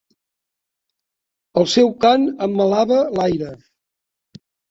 El seu cant emmelava l'aire.